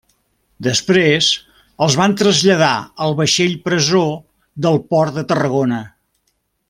Després els van traslladar al vaixell-presó del port de Tarragona.